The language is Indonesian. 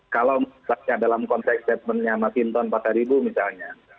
kalau misalnya dalam konteks statementnya matinton pak taribu misalnya